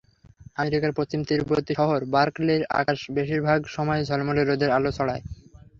আমেরিকার পশ্চিম তীরবর্তী শহর বার্কলির আকাশ বেশির ভাগ সময়ই ঝলমলে রোদের আলো ছড়ায়।